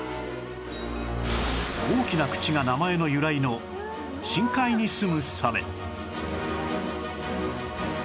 大きな口が名前の由来の深海にすむサメ